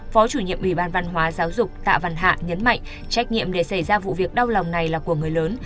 phó chủ nhiệm ủy ban văn hóa giáo dục tạ văn hạ nhấn mạnh trách nhiệm để xảy ra vụ việc đau lòng này là của người lớn